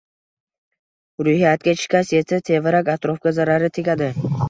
Ruhiyatga shikast yetsa, tevarak-atrofga zarari tegadi.